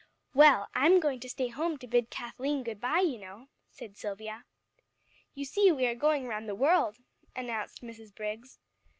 "Well, I'm going to stay home to bid Kathleen good bye, you know," said Silvia. "You see we are going around the world," announced Mrs. Briggs.